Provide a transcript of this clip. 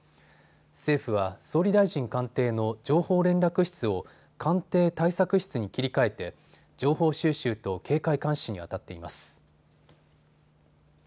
政府は総理大臣官邸の情報連絡室を官邸対策室に切り替えて情報収集と警戒監視にあたっています。